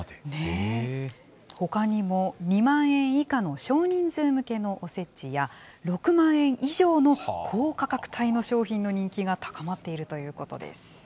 ほかにも、２万円以下の少人数向けのおせちや、６万円以上の高価格帯の商品の人気が高まっているということです。